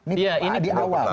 ini di awal